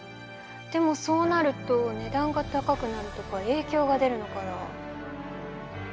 でもそうなると値段が高くなるとかえいきょうが出るのかな？